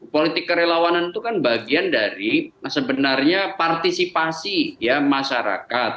politik kerelawanan itu kan bagian dari sebenarnya partisipasi ya masyarakat